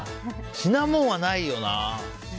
シナモンはないよな。